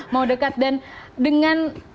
mau dekat dan dengan